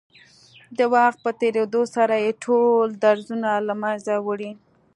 د وخت په تېرېدو سره يې ټول درځونه له منځه وړي.